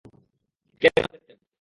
কেন দেখতে যাবো?